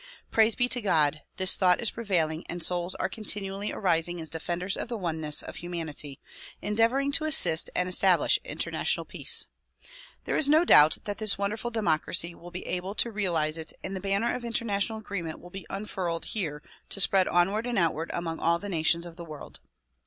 Praise be to God! this thought is prevailing and souls are continually arising as defenders of the oneness of humanity, endeavoring to assist and establish international peace. There is no doubt that this wonderful democracy will be able to realize it and the banner of international agreement will be unfurled here to spread onward and outward among all the nations of the world.